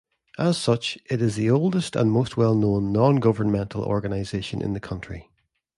As such, it is the oldest and most well-known nongovernmental organisation in the country.